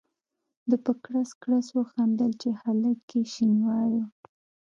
ده په کړس کړس وخندل چې هلکه یې شینواری.